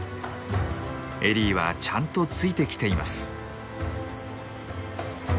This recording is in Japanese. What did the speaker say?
エリーはちゃんとついてきています。